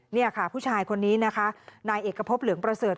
นี่ค่ะผู้ชายคนนี้นะคะนายเอกพบเหลืองประเสริฐ